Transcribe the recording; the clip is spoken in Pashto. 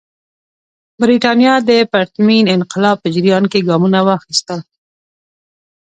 برېټانیا د پرتمین انقلاب په جریان کې ګامونه واخیستل.